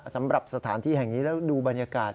สำหรับสถานที่แห่งนี้แล้วดูบรรยากาศ